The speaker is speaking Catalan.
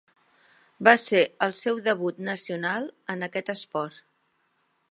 Va ser el seu debut nacional en aquest esport.